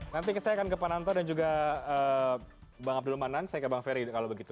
nanti saya akan ke pak nanto dan juga bang abdul manan saya ke bang ferry kalau begitu